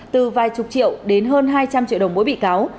từ vài chục triệu đến hơn hai trăm linh triệu đồng mỗi bị cáo